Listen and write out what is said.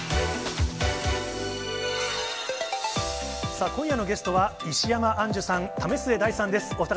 さあ、今夜のゲストは、石山アンジュさん、為末大さんです。